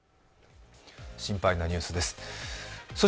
心配なニュースです。